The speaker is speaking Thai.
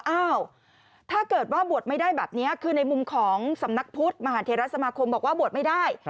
อ้าวถ้าเกิดว่าบวชไม่ได้แบบนี้คือในมุมของสำนักพุทธมหาเทราสมาคมบอกว่าบวชไม่ได้